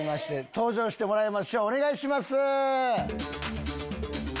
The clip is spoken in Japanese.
登場してもらいましょうお願いします！